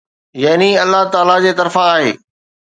يعني الله تعاليٰ جي طرفان آهي.